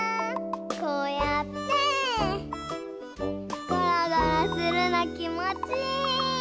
こうやってゴロゴロするのきもちいい！